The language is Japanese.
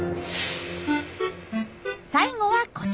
最後はこちら。